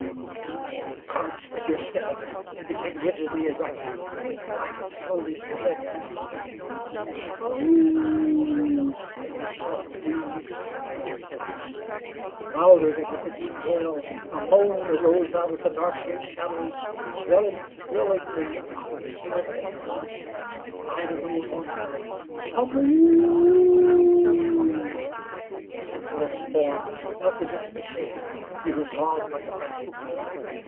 "Woo o oo." The guard's figure stiffened, and became rigidly erect; his blanket slowly slid to his feet. "Ah oo o," sighed the soft breeze in the tree tops. Louder then, with a deep wail, a moan arose out of the dark gray shadows, swelled thrilling on the still air, and died away mournfully. "Um m mmwoo o o o!" The sentinel's form melted into the shade. He was gone like a phantom.